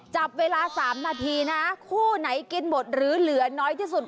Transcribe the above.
จับเวลา๓นาทีนะคู่ไหนกินหมดหรือเหลือน้อยที่สุด